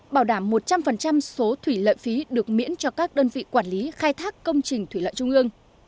bảo đảm một trăm linh số thủy lợi phí được miễn cho các đơn vị quản lý khai thác công trình thủy lợi trung ương